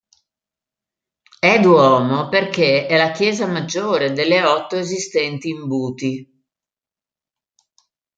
È Duomo perché è la Chiesa Maggiore delle otto esistenti in Buti.